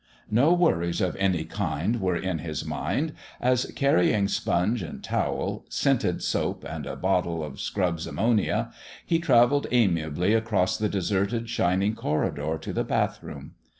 No worries of any kind were on his mind as, carrying sponge and towel, scented soap and a bottle of Scrubb's ammonia, he travelled amiably across the deserted, shining corridor to the bathroom.